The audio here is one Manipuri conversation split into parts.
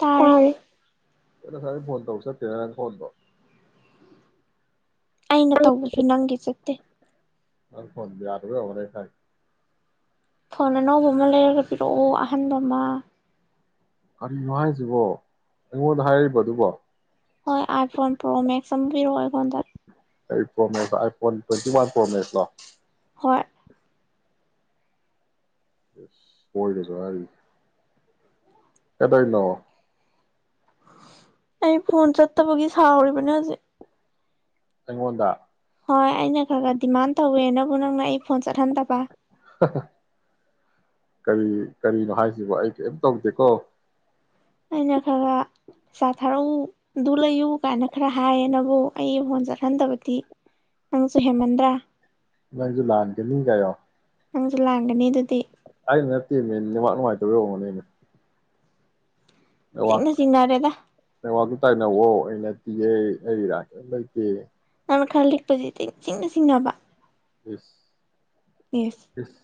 ꯇꯥꯔꯦ ꯀꯩꯅꫭ ꯉꯁꯥꯏꯒꯩ ꯐꯣꯟ ꯇꯧ ꯆꯠꯇꯦꯅ ꯅꯪ ꯐꯣꯟꯗꫭ ꯑꯩꯅ ꯇꯧꯕꯁꯨ ꯅꯪꯒꯤ ꯆꯠ ꯇꯦ ꯅꯪ ꯐꫭꯟ ꯌꯥꯗꯕꯩ ꯑꯣꯏꯔꯝꯒꯅꯤ ꯑꯩ ꯈꯪꯏ ꯐꯣꯟ ꯑꯅꯧꯕ ꯑꯃ ꯂꯩꯔꯒ ꯄꯤꯔꯛꯑꯣ ꯑꯍꯟꯕ ꯃ ꯀꯔꯤꯅꯣ ꯍꯥꯏꯁꯤꯕꯣ ꯑꯩꯉꯣꯟꯗ ꯍꯥꯏꯔꯤꯕ ꯑꯗꯨꯕꯣ ꯍꯣꯏ ꯑꯥꯏꯐꯣꯟ ꯄ꯭ꯔꯣ ꯃꯦꯛꯁ ꯑꯝ ꯄꯤꯔꯛꯑꯣ ꯑꯩꯉꯣꯟꯗ ꯀꯩ ꯐꫭꯟꯅꫭ ꯑꯥꯏ ꯐꫭꯟ ꯇ꯭ꯋꯦꯟꯇꯤꯋꯥꯟ ꯄ꯭ꯔꫭ ꯃꯦꯛꯁꯂꫭ ꯍꯣꯏ ꯏꯁ ꯍꯣꯏꯒꯁꯨ ꯍꯥꯏꯔꯤ ꯀꯩꯗꫭꯏꯅꫭ ꯑꯩ ꯐꫭꯟ ꯆꯠꯇꯕꯒꯤ ꯁꯥꯥꯎꯔꯤꯕꯅꯦ ꯍꯖꯤꯛ ꯑꯩꯉꯣꯟꯗ ꯍꯣꯏ ꯑꯩꯅ ꯈꯔ ꯈꯔ ꯗꯤꯃꯥꯟ ꯇꯧꯋꯦ ꯅꯕꯨ ꯅꯪꯅ ꯑꯩ ꯐꯣꯟ ꯆꯠ ꯍꯟ ꯗꯕ ꯀꯔꯤ ꯀꯔꯤꯅꯣ ꯍꯥꯏꯁꯤꯕꫭ ꯑꯩ ꯀꯩꯝ ꯇꯧꯗꯦꯀꯣ ꯑꯩꯅ ꯈꯔ ꯄꯩ ꯆꯥ ꯊꯥꯔꯛꯎ ꯑꯗꯨ ꯂꯩꯌꯨ ꯀꯥꯏꯅ ꯈꯔ ꯍꯥꯏꯌꯦ ꯅꯕꯨ ꯑꯩ ꯐꯥꯟ ꯆꯠꯍꯟꯗꯕꯗꯤ ꯅꯪꯁꯨ ꯍꯦꯟꯃꯟꯗ꯭ꯔꯥ ꯅꯪꯖꯨ ꯂꯥꯟꯒꯅꯤ ꯀ ꯍꯥꯏꯌꫭ ꯅꯪꯁꯨ ꯂꯥꯟꯒꯅꯤ ꯑꯗꯨꯗꯤ ꯑꯩꯩꯅ ꯅꯠꯇꯦ ꯃꯦ ꯅꯦꯠꯋꯥꯛ ꯅꯨꯡꯉꯥꯏꯇꯕꯩ ꯑꫭꯏꯔꯝꯒꯅꯦ ꯃꯦ ꯆꯤꯗ ꯆꯤꯡꯅꯔꯦꯗ ꯇꯥꯏꯅꯧꯋꫭ ꯑꯩ ꯅꯠꯇꯤꯌꯦ ꯑꯩ ꯏꯔꯥꯟ ꯀꯩꯝ ꯂꯩꯇꯦ ꯅꯪꯅ ꯈꯔ ꯂꯤꯛꯄꯁꯤꯗ ꯏꯆꯤꯡꯗ ꯆꯤꯡꯅꯕ ꯏꯁ ꯏꯁ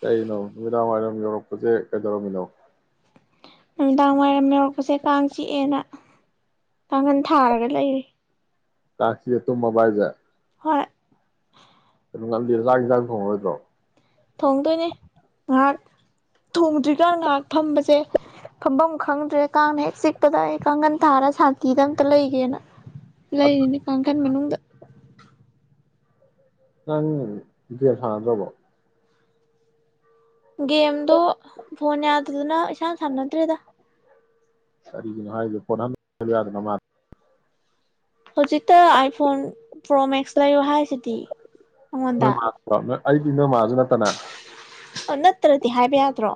ꯀꯩꯅꯣ ꯅꯨꯃꯤꯗꯥꯋꯥꯏꯔꯝ ꯌꯧꯔꯛꯄꯁꯦ ꯀꯩꯗꯧꯔꯝꯃꯤꯅꯣ ꯅꯨꯃꯤꯗꯥꯡ ꯋꯥꯏꯔꯝ ꯌꯧꯔꯛꯄꯁꯦ ꯀꯥꯡ ꯆꯤꯛꯑꯦꯅ ꯀꯥꯡꯈꯜ ꯊꯥꯔꯒ ꯂꯩꯔꯤ ꯀꯥꯆꯤꯛꯑ ꯇꯨꯝꯃꯕꫭ ꯍꯥꯏꯖꯦ ꯍꯣꯏ ꯀꯩꯅꯣ ꯉꯜꯂꯤ ꯆꯥꯛ ꯏꯟꯖꯥꯡ ꯊꯣꯡꯉꯔꯣꯏꯗ꯭ꯔꯣ ꯊꯣꯡꯗꯣꯏꯅꯦ ꯉꯍꯥꯛ ꯊꯣꯡꯗ꯭ꯔꯤꯀꯥꯟ ꯉꯍꯥꯛ ꯐꯝꯕꯁꯦ ꯐꯝ ꯕꯝ ꯈꯪꯗ꯭ꯔꯦ ꯀꯥꯡꯅ ꯍꯦꯛ ꯆꯤꯛꯄꯗ ꯑꯩ ꯀꯥꯡꯒꯟ ꯊꯥꯔ ꯁꯥꯟꯇꯤꯗ ꯑꯝꯇ ꯂꯩꯒꯦꯅ ꯂꯩꯔꯤꯅꯦ ꯀꯥꯡꯘꯟ ꯃꯅꯨꯡꯗ [inaudible] ꯅꯪ ꯒꯦꯝ ꯁꯥꯟꯅꯗ꯭ꯔꯕꫭ ꯒꯦꯝꯗꯨ ꯐꯣꯅꯌꯥ ꯑꯗꯨꯗꯨꯅ ꯏꯁꯥꯟ ꯁꯥꯟꯅꯗꯔꯦꯗ ꯀꯔꯤꯒꯤꯅꯣ ꯍꯥꯏꯁꯤ ꯐꯣꯅ ꯑꯃꯥ ꯂꯩꯍꯥꯂꯨ ꯌꯗꯔꯥ ꯅꯥꯃꯗ ꯍꯧꯖꯤꯛꯇ ꯑꯥꯏꯐꯣꯟ ꯄ꯭ꯔꯣ ꯃꯦꯛꯁ ꯂꯩꯌꯣ ꯍꯥꯏ ꯁꯤꯇꯤ ꯅꯣꯏ ꯑꯩꯉꯣꯟꯗ ꯃꯥ ꯑꯩꯗꯤ ꯅꯣꯏ ꯃꯥꯁꯨ ꯅꯠꯇꯅ ꯑ ꯅꯠꯇ꯭ꯔꯗꯤ ꯍꯥꯏꯕ ꯌꯥꯗ꯭ꯔꯣ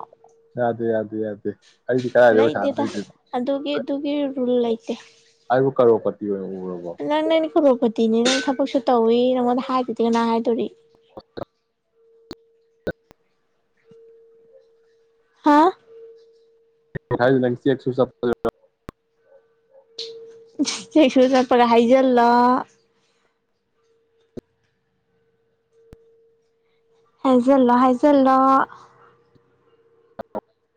ꯌꯥꯗꯦ ꯌꯥꯗꯦ ꯌꯥꯗꯦ ꯌꯥꯗꯦ ꯑꯩꯗꯤ ꯀꯥꯏꯗꯩ ꯄꯩꯁꯥꯟ ꯂꯩꯇꯦꯗ ꯂꯩꯗꯣꯏꯕꯥ ꯑꯗꯨꯒꯤ ꯑꯗꯨꯒꯤ ꯔꯨꯜ ꯑꯩꯕꯨ ꯀꯔꯣꯄꯥ [unintelligible] ꯅꯥꯪꯗ ꯑꯩꯅꯥ ꯀꯔꯣꯄꯥꯠ ꯇꯤꯅꯤ ꯅꯪ ꯊꯕꯛꯁꯨ ꯇꯧꯋꯤ ꯅꯪꯉꯣꯟꯗ ꯍꯥꯏꯗꯔꯥꯗꯤ ꯀꯅꯥ ꯍꯥꯏꯗꯣꯔꯤ ꯍꯥꯥ ꯍꯥꯏꯔꯤꯁꯤ ꯅꯡ ꯆꯦꯀ ꯁꯨ ꯆꯠꯞꯁꯤꯔꯣ ꯆꯦꯛ ꯁꯨ ꯆꯇꯄꯒ ꯍꯥꯏꯩꯖꯜꯂꯣ ꯍꯥꯏꯖꯜꯂꯣ ꯍꯥꯏꯩꯖꯂꯣ [unintelligible]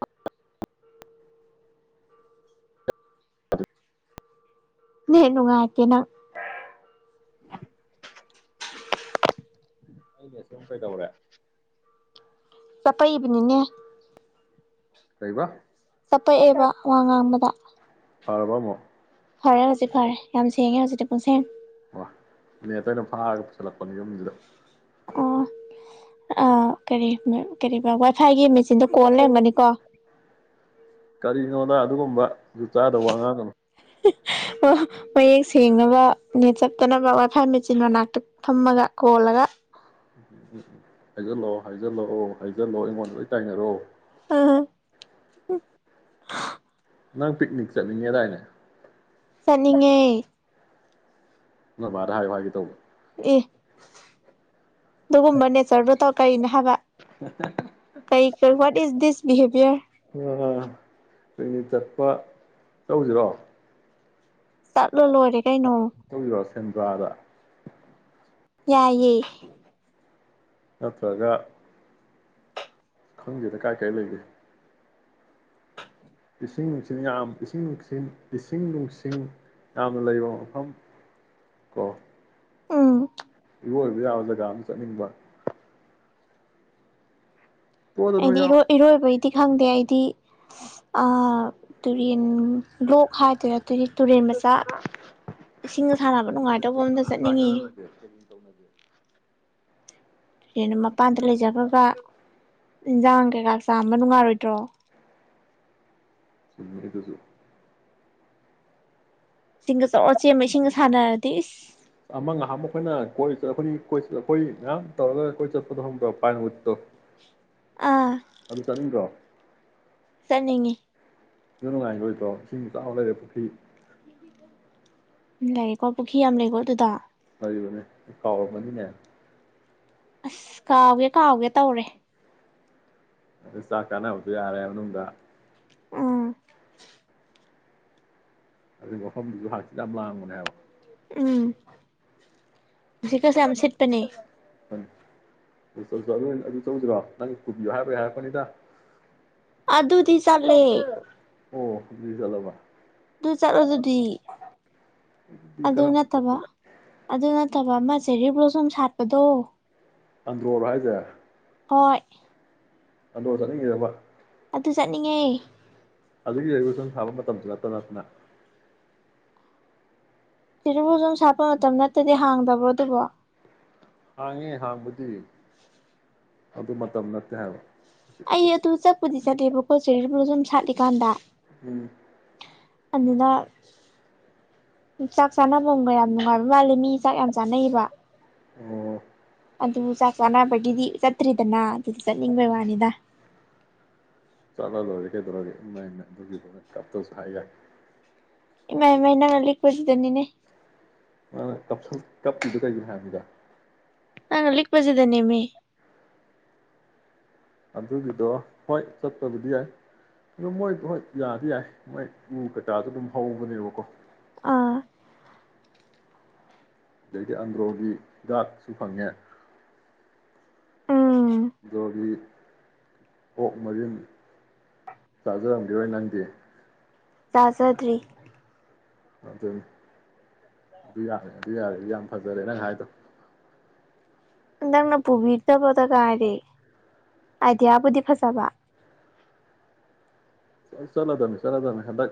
ꯅꯦꯠ ꯅꯨꯉꯥꯏꯇꯦꯟ [inaudible] ꯑꯩꯅꯁꯨꯝ ꯀꯩꯗꯧꯔꯦ ꯆꯄꯛꯏꯕꯅꯤꯅꯦ ꯀꯩꯗꯧꯕ ꯆꯄꯛꯑꯦꯕ ꯋꯥ ꯉꯥꯡꯕꯗ ꯄꯔꯕ ꯑꯃꯣꯛ ꯐꯔꯦ ꯍꯧꯖꯤꯛ ꯐꯔꯦ ꯌꯥꯝ ꯁꯦꯡꯉꯦ ꯍꯧꯖꯤꯛꯇꯤ ꯄꯨꯡꯁꯦꯡ ꯅꯦꯇꯣ ꯑꯩꯟ ꯐꯥꯔꯥꯒ ꯄꯨꯁꯤꯜꯂꯛꯄꯅꯤ ꯌꯨꯝꯁꯤꯗ ꯑꯣ ꯑ ꯀꯔꯤ ꯀꯔꯤꯕ ꯋꯥ ꯐꯩꯋꯥꯒꯤ ꯃꯦꯆꯤꯟꯗꯣ ꯀꯣꯟꯜ ꯂꯩꯔꯝꯒꯅꯤꯀꯣ ꯀꯔꯤꯅꯣꯗ ꯑꯗꯨꯒꯨꯝꯕ ꯖꯨꯗ ꯆꯥꯗꯕ ꯋꯥꯉꯥꯡꯀꯥꯅꯨ ꯃꯌꯦꯛ ꯁꯦꯡꯡꯂꯒ ꯅꯦꯠ ꯆꯞꯠꯇꯅꯕ ꯋꯥꯏ ꯐꯥꯏ ꯃꯦꯆꯤꯟ ꯃꯅꯥꯛꯇ ꯐꯝꯃꯒ ꯈꯣꯜꯂꯒ ꯎꯝ ꯎꯝ ꯎꯝ ꯍꯥꯏꯖꯜꯂꯛꯑꯣ ꯍꯥꯏꯖꯜꯂꯛꯑꯣ ꯍꯥꯏꯖꯜꯂꯛꯑꯣ ꯑꯩꯉꯣꯟꯗ ꯂꯣꯏ ꯇꯥꯏꯅꯔꯣ ꯑ ꯅꯪ ꯄꯤꯛꯅꯤꯛ ꯆꯠꯅꯤꯡꯉꯦꯗꯥꯏꯅꯦ ꯆꯅꯤꯡꯉꯦ ꯅꯣꯏꯕꯥꯗ ꯍꯥꯏꯌꯨ ꯍꯥꯏꯒꯦ ꯇꯧꯕꯅꯤ ꯑꯦ ꯑꯗꯨꯒꯨꯝꯕ ꯅꯦꯆꯔꯗꯨ ꯇꯧ ꯀꯔꯤꯟ ꯐꯥꯕ ꯀꯩ [unintelligible] ꯏꯥꯁ ꯗꯤꯁ ꯕꯤꯍꯦꯕꯤꯌꯦꯔ ꯑ ꯄꯤꯛꯅꯤꯛ ꯆꯠꯄ ꯆꯧꯁꯤꯔꯣ ꯆꯠ ꯂꯂꯣꯏꯔꯦ ꯀꯩꯅꯣ ꯆꯧꯁꯤꯔꯣ ꯁꯦꯟꯗ꯭ꯔꯥꯗ ꯌꯥꯏꯌꯦ ꯅꯠꯇ꯭ꯔꯒ ꯈꯪꯗꯦꯗ ꯀꯥꯏ ꯀꯥꯏ ꯂꯩꯒꯦ ꯏꯁꯤꯡ ꯅꯨꯡꯁꯤꯠ ꯌꯥꯝ ꯏꯁꯤꯡ ꯅꯨꯡꯁꯤ ꯏꯁꯤꯡ ꯅꯨꯡꯁꯤꯡ ꯌꯥꯝꯅ ꯂꯩꯕ ꯃꯐꯝ ꯀꯣ ꯎꯝ ꯏꯔꯣꯏꯕ ꯌꯥꯕ ꯖꯒꯥ ꯑꯃ ꯆꯠꯅꯤꯡꯕ ꯇꯣꯗ ꯅꯣꯏ ꯑꯩꯗꯤ ꯌꯥꯎ ꯏꯔꯣꯢ ꯏꯔꯣꯏꯕꯩꯗꯤ ꯈꯪꯗꯦ ꯑꯩꯗꯤ ꯑ ꯇꯨꯔꯦꯟ ꯂꯣꯛ ꯍꯥꯏꯗꯔꯦ ꯇꯨꯔꯦꯟ ꯃꯆꯥ ꯏꯁꯤꯡꯒ ꯁꯥꯟꯅꯕ ꯅꯨꯡꯉꯥꯏꯗꯧꯕ ꯑꯝꯗ ꯆꯠꯅꯤꯡꯉꯤ ꯇꯨꯔꯦꯅ ꯃꯄꯥꯟꯗ ꯂꯩꯖꯈ꯭ꯔꯒ ꯏꯟꯖꯥꯡ ꯀꯩꯀꯥ ꯆꯥꯝꯕ ꯅꯨꯡꯉꯥꯏꯔꯣꯏꯗ꯭ꯔꯣ ꯆꯨꯝꯃꯤ ꯑꯗꯨꯁꯨ ꯁꯤꯡꯒ ꯆꯣ ꯆꯦꯟꯕ ꯏꯁꯤꯡꯒ ꯁꯥꯟꯅꯗꯤꯁ ꯀꯣꯢ ꯑꯩꯈꯣꯏ ꯃꯌꯥꯝ ꯇꯧꯔꯒ ꯀꯣꯏ ꯆꯠꯄꯗꯣ ꯈꯪꯕ꯭ꯔ ꯄꯥꯏꯟꯋꯨꯠꯇꯣ ꯑꯗꯨ ꯆꯠꯅꯤꯡꯗ꯭ꯔꯣ ꯆꯅꯤꯡꯉꯤ ꯑꯗꯨ ꯅꯨꯡꯉꯥꯏꯔꯣꯏꯗ꯭ꯔꯣ ꯏꯁꯤꯡ ꯆꯥꯎꯕ ꯂꯩꯔꯦ ꯄꯨꯈ꯭ꯔꯤ ꯂꯩꯌꯦꯀꯣ ꯄꯨꯈ꯭ꯔꯤ ꯌꯥꯝ ꯂꯩꯀꯣ ꯑꯗꯨꯗ ꯀꯥꯎꯔꯝꯃꯅꯤꯅꯦ ꯑꯁ ꯀꯥꯎꯒꯦ ꯀꯥꯎꯒꯦ ꯇꯧꯔꯦ ꯑꯗꯨ ꯆꯥꯛ ꯀꯥꯅꯕꯁꯨ ꯌꯥꯔꯦ ꯃꯅꯨꯡꯗ ꯑꯥ ꯑꯗꯨ ꯃꯐꯝꯁꯨ ꯍꯥꯡꯆꯤꯠ ꯌꯥꯝ ꯂꯥꯡꯕꯅꯦ ꯍꯥꯢꯕ ꯎꯝ ꯁꯤꯠꯀꯥꯁꯨ ꯌꯥꯝ ꯁꯤꯠꯄꯅꯦ ꯑꯗꯨ ꯆꯧꯁꯤꯔꯣ ꯅꯪꯒꯤ ꯄꯨꯕꯤꯌꯣ ꯍꯥꯏꯕꯥ ꯍꯥꯏꯔꯛꯄꯅꯤꯗ ꯑꯗꯨꯗꯤ ꯆꯂꯦ ꯑꯣ ꯗꯨꯗꯤ ꯖꯂꯕ ꯑꯗꯨ ꯆꯠꯂꯣ ꯑꯗꯨꯗꯤ ꯑꯗꯨꯗꯤ ꯑꯗꯨ ꯀꯔꯝ ꯅꯠꯇꯕ ꯑꯗꯨ ꯅꯠꯇꯕ ꯑꯃ ꯆꯦꯔꯤ ꯕ꯭ꯂꯣꯁꯨꯝ ꯁꯥꯠꯄꯗꯣ ꯑꯟꯗ꯭ꯔꯣꯜ ꯍꯥꯏꯁꯦ ꯍꯣꯏ ꯑꯟꯗ꯭ꯔꯣ ꯆꯠꯅꯤꯡꯉꯤꯔꯕ ꯑꯗꯨ ꯆꯠꯅꯤꯡꯉꯦ ꯑꯗꯨꯒꯤ ꯂꯩꯕꯨ ꯁꯨꯝ ꯊꯥꯕ ꯃꯇꯝꯗ ꯅꯠꯇꯅ ꯅꯞꯅ ꯆꯤꯔꯨꯐꯨꯁꯨꯨꯝ ꯁꯥꯠꯄ ꯃꯇꯝ ꯅꯠꯇꯗꯤ ꯍꯥꯡꯗꯕ꯭ꯔꯣ ꯑꯗꯨꯕꯣ ꯍꯥꯡꯉꯤ ꯍꯥꯡꯕꯗꯤ ꯑꯗꯨ ꯃꯇꯝ ꯅꯠꯇꯦ ꯍꯥꯏꯕ ꯑꯣ ꯑꯗꯨ ꯆꯠ ꯄꯨꯗꯤ ꯆꯠꯂꯦꯕꯀꯣ ꯆꯦꯔꯤ ꯕꯨꯜꯁꯨꯝ ꯁꯥꯠꯂꯤꯀꯥꯟꯗ ꯎꯝ ꯑꯗꯨꯅ ꯆꯥꯛ ꯆꯥꯅꯕꯝꯒ ꯌꯥꯝ ꯅꯨꯡꯉꯥꯏꯕ ꯃꯥꯜꯂꯦ ꯃꯤ ꯆꯥꯛ ꯌꯥꯝ ꯆꯥꯅꯩꯌꯦꯕ ꯎꯝ ꯑꯗꯨ ꯆꯥꯛ ꯆꯥꯅꯕꯒꯤꯗꯤ ꯆꯠꯇ꯭ꯔꯤꯗꯅ ꯑꯗꯨꯗ ꯆꯠꯅꯤꯡꯕꯩ ꯋꯥꯅꯤꯗ ꯆꯠꯂ ꯂꯣꯏꯔꯦ ꯀꯩꯗꯧꯔꯒꯦ ꯏꯃꯥꯏ ꯃꯥꯏ ꯑꯗꯨꯒꯤ ꯀꯞꯇꯔ꯭ ꯁꯨ ꯍꯥꯏ ꯌꯥꯏ ꯏꯃꯥꯏ ꯏꯃꯥꯏ ꯅꯪꯅ ꯂꯤꯛꯄ ꯁꯤꯗꯅꯤꯅꯦ ꯀꯞꯄ ꯀꯞꯄꯤꯗꯨ ꯀꯩꯒꯤꯅꯣ ꯍꯥꯏꯕꯅꯤꯗ ꯅꯪꯅ ꯂꯤꯛꯄꯁꯤꯗꯅꯦꯃꯤ ꯑꯗꯨꯒꯤꯗꯣ ꯍꯣꯏ ꯆꯠꯄꯕꯨꯗꯤ ꯌꯥꯏ ꯑꯗꯣ ꯃꯣꯏ ꯍꯣꯇ ꯌꯥꯗꯤ ꯌꯥꯏ ꯃꯣꯏ ꯎ ꯀꯩꯀꯥꯗꯨ ꯑꯗꯨꯝ ꯍꯧꯕꯅꯦꯕꯀꯣ ꯑꯥ ꯑꯗꯩꯗꯤ ꯑꯟꯗ꯭ꯔꯣꯒꯤ ꯍꯤꯗꯥꯛꯁꯨ ꯐꯪꯉꯦ ꯎꯝ ꯑꯟꯗ꯭ꯔꯣꯒꯤ ꯑꯣꯛ ꯃꯔꯤꯟ ꯇꯥꯖꯔꯝꯒꯤꯔꯣꯏ ꯅꯪꯗꯤ ꯆꯥꯖꯗ꯭ꯔꯤ ꯑꯗꯨ ꯑꯗꯨ ꯌꯥꯔꯦ ꯑꯗꯨ ꯌꯥꯔꯦ ꯌꯥꯝ ꯐꯖꯔꯦ ꯅꯪ ꯍꯥꯏꯗꯣ ꯅꯪꯅ ꯄꯨꯕꯤꯗꯕꯗ ꯉꯥꯏ ꯑꯥꯏꯗꯤꯌꯥꯕꯨꯗꯤ ꯐꯖꯕ ꯆꯠꯂꯗꯝꯅꯤ ꯆꯠꯂꯗꯝꯅꯤ ꯍꯟꯗꯛ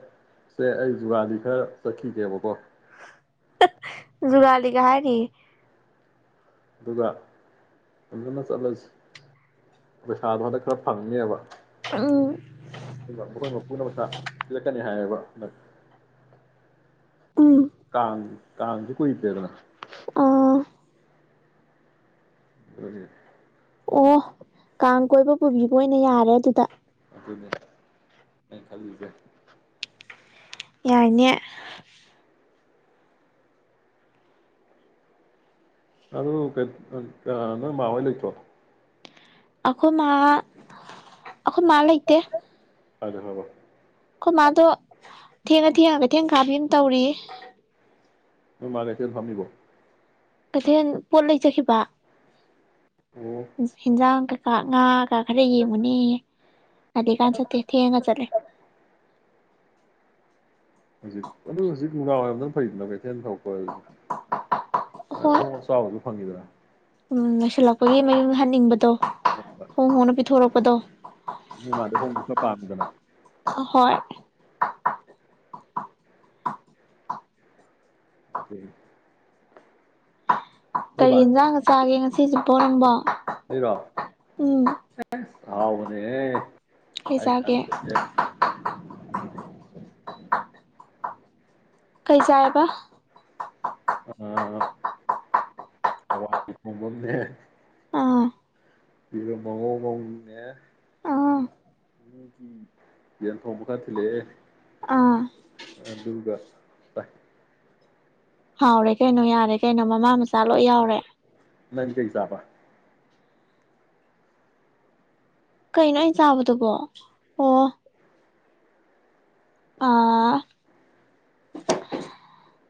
ꯨꯖꯨꯒꯥꯂꯤꯒ ꯍꯥꯏꯔꯤꯌꯦ ꯑꯗꯨꯒ ꯐꯖꯅ ꯆꯠꯂꯁꯤ ꯄꯩꯁꯥꯗꯣ ꯍꯟꯗꯛ ꯈꯔ ꯐꯪꯅꯦꯕ ꯎꯝ ꯑꯗꯨꯒ ꯃꯈꯣꯏ ꯃꯄꯨꯅ ꯄꯩꯁꯥ ꯄꯤꯔꯛꯀꯅꯤ ꯍꯥꯏꯌꯦꯕ ꯍꯟꯗꯛ ꯎꯝ ꯀꯥꯥ ꯑꯥ ꯑꯗꯨꯅꯤ ꯑꯣ ꯀꯥꯡ ꯀꯣꯏꯕ ꯄꯨꯕꯤꯕ ꯑꯣꯏꯅ ꯌꯥꯔꯦ ꯑꯗꯨꯗ ꯑꯗꯨꯅꯦ ꯑꯩꯅ ꯈꯜꯂꯤꯁꯦ ꯌꯥꯏꯅꯦ ꯑꯗꯨ ꯀꯩ ꯑ ꯅꯣꯏ ꯃꯥꯑꯣꯏ ꯂꯩꯇꯔꯣ ꯑꯩꯈꯣꯏ ꯃꯥ ꯇꯥꯗꯦ ꯍꯥꯏꯔꯣ ꯑꯩꯈꯣꯏ ꯃꯥꯗꯣ ꯊꯦꯡꯉ ꯊꯦꯡꯉꯒ ꯀꯩꯊꯦꯜ ꯀꯥꯕꯤꯑꯝ ꯇꯧꯔꯤꯌꯦ ꯅꯣꯏ ꯃꯥ ꯀꯩꯊꯦꯜ ꯐꯝꯃꯤꯕꯣ ꯀꯩꯊꯦꯜ ꯄꯣꯠ ꯂꯩ ꯆꯠꯈꯤꯕ ꯑꯣ ꯌꯦꯟꯁꯥꯡ ꯀꯩꯀꯥ ꯉꯥ ꯀꯥ ꯈꯔ ꯌꯦꯡꯉꯨꯅꯦꯌꯦ ꯉꯜꯂꯤꯀꯥꯟ ꯆꯠꯇꯦ ꯊꯦꯡꯉ ꯆꯠꯂꯤ ꯍꯧꯖꯤꯛ ꯑꯗꯨ ꯍꯧꯖꯤꯛ ꯅꯨꯝꯗꯥꯡ ꯋꯥꯏꯔꯝꯗꯅ ꯐꯩꯗꯅ ꯀꯩꯊꯦꯜ ꯊꯣꯛꯄ ꯑ ꯍꯣꯏ ꯑꯍꯣꯡ ꯑꯆꯥꯎꯁꯨ ꯐꯪꯉꯤꯗꯅ ꯎꯝ ꯂꯣꯏꯁꯤꯜꯂꯛꯄꯒꯤ ꯃꯌꯨꯝ ꯍꯟꯅꯤꯡꯕꯗꯣ ꯍꯣꯡ ꯍꯣꯡꯅ ꯄꯤꯊꯣꯔꯛ ꯄꯗꯣ ꯅꯣꯏ ꯃꯥꯗꯣ ꯑꯍꯣꯡꯕꯗꯨꯅ ꯄꯥꯝꯃꯤꯗꯅ ꯍꯣꯏ [inaudible] ꯀꯔꯤ ꯌꯦꯟꯖꯥꯡꯒ ꯆꯥꯒꯦ ꯉꯁꯤꯁꯤꯕꯣ ꯅꯪꯕꯣ ꯑꯩꯔꯣ ꯎꯝ ꯑꯍꯥꯎ ꯕꯅꯤꯍꯦ ꯀꯩ ꯍꯥꯏ ꯆꯥꯒꯦ ꯀꯥꯟꯅꯗꯦ [unintelligible] ꯀꯩ ꯆꯥꯏꯌꯦꯕ ꯑꯥ ꯍꯋꯥꯏ ꯊꯣꯡꯕ ꯑꯝꯅꯦ ꯑꯥ ꯏꯔꯝꯕꯑꯣꯅꯦꯅꯣ ꯅꯦ ꯑꯥ ꯌꯦꯟ ꯊꯣꯡꯕ ꯈꯥ ꯊꯤꯜꯂꯛꯑ ꯦ ꯑꯥ ꯑꯗꯨꯒ ꯍꯥꯎꯔꯦ ꯀꯩꯅꯣ ꯌꯥꯔꯦ ꯀꯩꯅꯣ ꯃꯥ ꯃꯃꯥ ꯃꯆꯥ ꯂꯣꯏ ꯌꯥꯎꯔꯦ ꯅꯪ ꯀꯩ ꯆꯥꯕ ꯀꯩꯅꯣ ꯑꯩꯅ ꯆꯥꯕꯗꯨꯕꯣ ꯑꯣ ꯑꯥ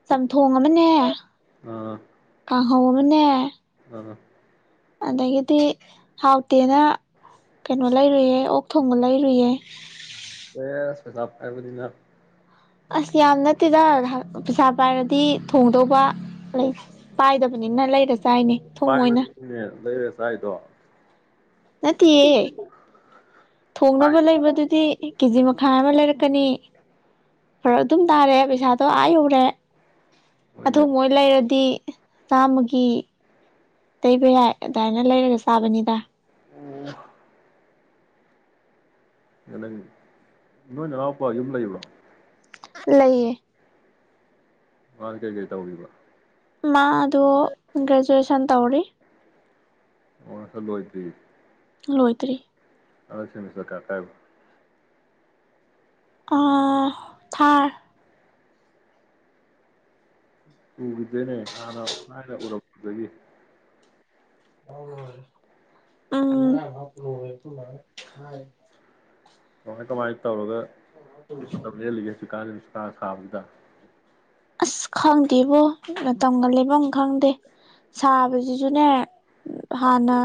ꯆꯝꯊꯣꯡ ꯑꯃꯅꯦ ꯑꯥ ꯀꯥꯡ ꯍꯧ ꯑꯃꯅꯦ ꯑꯑ ꯑꯗꯒꯤꯗꯤ ꯍꯥꯎꯇꯦꯅ ꯀꯩꯅꯣ ꯂꯩꯔꯨꯢꯌꯦ ꯑꯣꯛ ꯊꯣꯡꯕ ꯂꯩꯔꯨꯢꯌꯦ ꯌꯦꯁ ꯄꯩꯁꯥ ꯄꯥꯢꯕꯅꯤꯅꯥ ꯑꯁ ꯌꯥꯝ ꯅꯠꯇꯦꯗ ꯄꯩꯁꯥ ꯄꯥꯏꯔꯗꯤ ꯊꯣꯡꯗꯧ ꯑꯣ ꯂꯩ ꯄꯥꯏꯗꯕꯅꯤꯅ ꯂꯩꯔ ꯆꯥꯏꯅꯦ ꯑꯊꯣꯡꯕꯣꯢꯅ ꯆꯥꯔꯤꯗꯣ ꯅꯠꯇꯤꯌꯦ ꯊꯣꯡꯅꯕ ꯂꯩꯕꯗꯨꯗꯤ ꯀꯦꯖꯤ ꯃꯈꯥꯏ ꯑꯃ ꯂꯩꯔꯛꯀꯅꯤ ꯐꯔꯛ ꯑꯗꯨꯝ ꯄꯥꯢꯔꯦ ꯄꯩꯁꯥꯗꯣ ꯑ ꯌꯧꯔꯦ ꯍꯣꯏꯅꯦ ꯑꯊꯣꯡꯕ ꯑꯣꯢ ꯂꯩꯔꯗꯤ ꯆꯥꯝꯃꯒꯤ ꯂꯩꯕ ꯌꯥꯏ ꯑꯗꯥꯢꯅ ꯂꯩꯔꯒꯁꯨ ꯆꯥꯕꯅꯤꯗ ꯑꯣ ꯅꯣꯏ ꯅꯅꯥꯎꯄꯥ ꯌꯨꯝ ꯂꯩꯕ꯭ꯔꯣ ꯂꯩꯌꯦ ꯃꯗꯤ ꯀꯩ ꯀꯩ ꯇꯧꯔꯤꯕ ꯃꯥ ꯗꯣ ꯒ꯭ꯔꯦꯖꯨꯑꯦꯁꯟ ꯇꯧꯔꯤ ꯑꯣ ꯂꯣꯢꯗ꯭ꯔꯤ ꯂꯣꯏꯗ꯭ꯔꯤ ꯍꯟꯗꯛ ꯁꯦꯃꯤꯁꯇ꯭ꯔ ꯀꯌꯥ ꯀꯥꯢꯕ ꯑ ꯊꯥꯔ ꯎꯒꯤꯗ꯭ꯔꯦꯅꯦ ꯍꯥꯟꯅ ꯊꯥꯢꯅ ꯎꯔꯝꯕꯗꯒꯤ ꯎꯝ ꯀꯃꯥꯢ ꯀꯃꯥꯏ ꯇꯧꯔꯒ ꯃꯇꯝ ꯂꯦꯜꯂꯤꯒꯦ ꯍꯧꯖꯤꯛꯀꯥꯟꯖꯤ ꯅꯨꯡꯁꯥꯒ ꯁꯥꯕꯁꯤꯗ ꯑꯁ ꯈꯪꯗꯦꯕ ꯃꯇꯝꯒ ꯂꯦꯟꯕꯝ ꯈꯪꯗꯦ ꯁꯥꯕꯖꯤꯖꯨꯅꯦ ꯍꯥꯟꯅ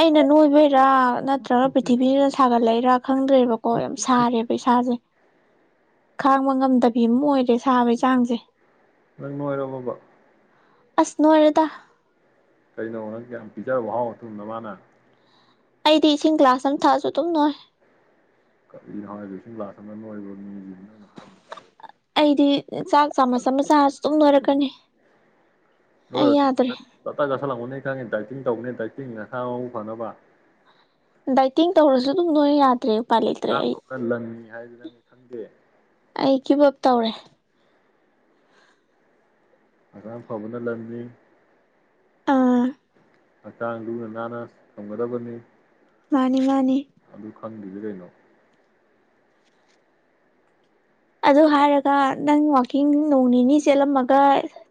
ꯑꯩꯅ ꯅꯣꯏꯕꯩꯔꯥ ꯅꯠꯇ꯭ꯔꯒ ꯄ꯭ꯔꯤꯊꯤꯕꯤꯖꯤꯅ ꯁꯥꯒꯠꯂꯛꯏꯔ ꯈꯪꯗ꯭ꯔꯦꯕꯀꯣ ꯌꯥꯝ ꯁꯥꯔꯦꯕ ꯏꯁꯥꯁꯦ ꯈꯥꯡꯕ ꯉꯝꯗꯕꯤ ꯑꯃ ꯑꯣꯏꯔꯦ ꯁꯥꯕꯩꯁ ꯃꯣꯔ ꯃꯕ ꯑꯁꯅꯨ ꯑꯔꯗ ꯀꯩꯅꯣꯪ ꯌꯥꯝ ꯄꯤꯖꯕ ꯥꯎ ꯊꯨꯝꯗ ꯃꯥꯅ ꯑꯩꯗꯤ ꯏꯁꯤꯡ ꯒꯥꯁ ꯑꯃ ꯊꯥꯁꯨ ꯑꯗꯨꯝ ꯅꯣꯏ ꯀ ꯍꯣꯏꯁꯤꯡ ꯂꯥꯁ ꯑꯣꯏꯣꯏꯕ ꯃꯤ ꯑꯩꯗꯤ ꯆꯥꯛ ꯆꯥꯃꯁ ꯑꯃ ꯆꯥꯔꯁꯨ ꯑꯗꯨꯨꯝ ꯂꯣꯏꯔꯛꯀꯅꯤ ꯑꯩ ꯅꯣꯏꯔ ꯌꯥꯗ꯭ꯔꯦ ꯤꯡ ꯇꯧꯅꯦ ꯗꯇꯤꯡ ꯃꯁꯥ ꯃꯎ ꯐꯅꯕ ꯗꯥꯏꯇꯤꯡ ꯇꯧꯔꯁꯨ ꯑꯗꯨꯝ ꯂꯣꯏꯅ ꯌꯥꯗ꯭ꯔꯦꯕ ꯂꯪꯅꯤ ꯍꯥꯏꯗꯨꯅꯪ ꯈꯪꯗꯦ ꯑꯩ ꯀꯤꯕꯞ ꯇꯧꯔꯦ ꯑꯗꯥꯡ ꯐꯥꯎꯅ ꯂꯅꯤꯅꯤ ꯑꯥ ꯍꯛꯆꯥꯡ ꯂꯨꯅ ꯅꯥꯟꯅ ꯊꯝꯒꯗꯕꯅꯤ ꯃꯥꯅꯤ ꯃꯥꯅꯤ ꯑꯅꯤ ꯈꯪꯗꯗꯤ ꯀꯩꯅꯣ ꯑꯗꯨ ꯍꯥꯏꯔꯒ ꯅꯪ ꯋꯥꯋꯥꯛꯀꯤꯡ ꯅꯣꯡ ꯅꯤꯅꯤ ꯆꯦꯜꯂꯝꯃꯒ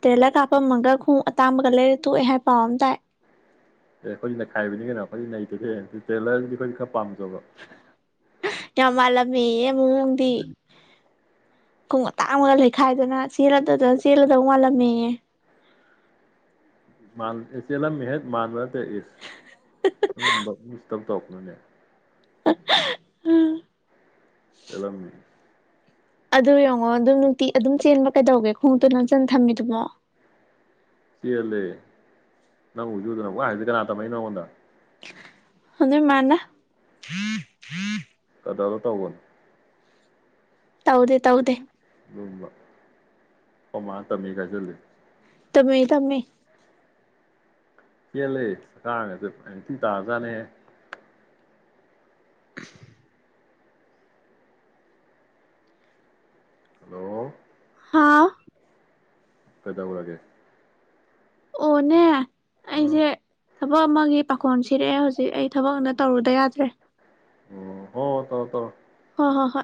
ꯇ꯭ꯔꯦꯂꯔ ꯀꯥꯞꯄꯝꯃꯒ ꯈꯣꯡ ꯑꯇꯥꯡꯕꯒ ꯂꯩꯔ ꯊꯣꯛꯑꯦ ꯍꯥꯏꯕ ꯄꯥꯎ ꯑꯃ ꯇꯥꯏ ꯑꯦꯈꯣꯏ ꯅꯈꯥꯏꯕꯅꯤ ꯀꯩꯅꯣꯈꯣꯏꯗꯤ ꯂꯩꯩꯇꯦ ꯇꯦꯂꯔꯗꯤ ꯑꯩꯈꯣꯏ ꯈꯔ ꯄꯥꯝ ꯌꯕ ꯀꯃꯂ ꯃꯤ ꯎꯝ ꯈꯣꯡ ꯑꯇꯥꯡ ꯑꯃꯒ ꯂꯩꯈꯥꯏꯗꯅ ꯆꯦꯜ ꯆꯦꯜꯂꯗꯧ ꯃꯥꯜꯂꯝꯃꯦꯑ ꯃꯥꯆꯦꯂ ꯃꯦꯍꯠ ꯃꯥꯅ [inaudible] ꯈꯤꯇꯪ ꯇꯧꯔꯛꯄꯅꯅꯦ ꯎꯝ ꯂꯃꯦ ꯑꯗꯨ ꯌꯦꯡꯉꯣ ꯑꯗꯨꯝ ꯅꯨꯡꯇꯤ ꯑꯗꯨꯝ ꯆꯦꯟꯕ ꯀꯩꯗꯧꯒꯦ ꯈꯣꯡꯎꯇꯨ ꯂꯝꯆꯟ ꯊꯝꯃꯤꯗꯨꯃꯣ ꯁꯤꯔ ꯂꯩꯦ ꯅꯪ ꯎꯗ ꯅ ꯋꯥ ꯍꯥꯏꯗ ꯀꯅꯥꯇ ꯃꯥꯏ ꯅꯉꯣꯟꯗ ꯑꯗꯨ ꯃꯥꯅ ꯑꯗꯂꯣ ꯇꯧꯕꯧꯕꯟ ꯇꯧꯗꯦ ꯎ ꯇꯧꯗꯦ ꯑꯗꯨꯒꯕ ꯑꯣꯃꯥꯅ ꯇꯝꯃꯦ ꯀꯥꯏꯁꯤꯂ ꯇꯃꯦ ꯇꯃꯦ ꯆꯦꯜꯂ ꯀꯥꯡꯉꯁꯦ ꯊꯤ ꯇꯥꯖꯥꯅꯦꯦ [inaudible] ꯍꯜꯂꯣ ꯍꯥꯥꯎ ꯀꯗꯧꯔꯒꯦ ꯑꯣꯅꯦ ꯑꯥ ꯑꯩꯁꯦ ꯊꯕꯛ ꯑꯃꯒꯤ ꯄꯥꯈꯣꯟ ꯁꯤꯔꯛꯑꯦ ꯍꯧꯖꯤꯛ ꯑꯩ ꯊꯕꯛ ꯇꯧꯔꯨꯗ ꯌꯥꯗ꯭ꯔꯦ ꯎꯝ ꯍꯣ ꯇꯧꯔꯣ ꯇꯧꯔꯣ ꯍꯣ ꯍꯣꯏ